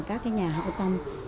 các nhà hậu tâm